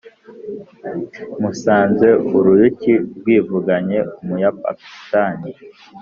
Musanze uruyuki rwivuganye umuyapakistani